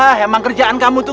ah emang kerjaan kamu tuh